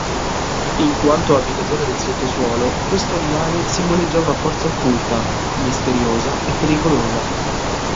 In quanto abitatore del sottosuolo, questo animale simboleggia una forza occulta, misteriosa e pericolosa.